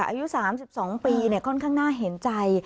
อายุสามสิบสองปีเนี่ยค่อนข้างน่าเห็นใจ